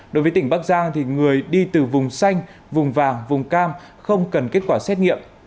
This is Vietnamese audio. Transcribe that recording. đối với tỉnh bắc giang người đi từ vùng xanh vùng vàng vùng cam không cần kết quả xét nghiệm